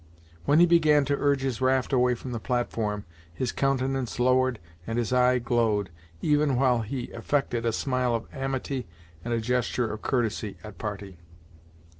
When he began to urge his raft away from the platform his countenance lowered and his eye glowed, even while he affected a smile of amity and a gesture of courtesy at parting.